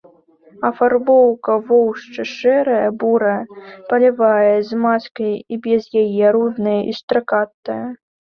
Афарбоўка воўча-шэрая, бурая, палевая, з маскай і без яе, рудая і стракатая.